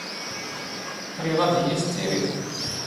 ⵔⵉⵖ ⴰⴷ ⵉⵢⵉ ⵜⴻⵜⵜⵉⵔⵉⴷ.